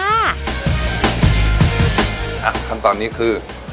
อ่ะขั้นตอนนี้คือ